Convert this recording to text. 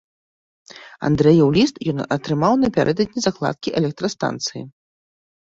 Андрэеў ліст ён атрымаў напярэдадні закладкі электрастанцыі.